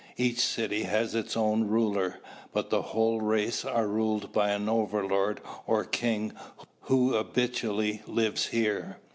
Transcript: Each city has its own ruler, but the whole race are ruled by an overlord or king who habitually lives here.